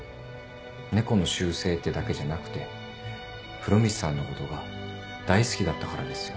猫の習性ってだけじゃなくて風呂光さんのことが大好きだったからですよ。